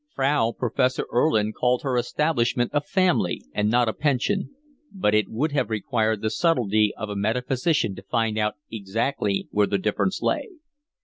Frau Professor Erlin called her establishment a family and not a pension; but it would have required the subtlety of a metaphysician to find out exactly where the difference lay.